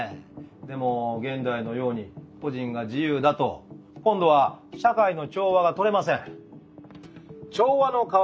でも現代のように個人が自由だと今度は社会の調和がとれません。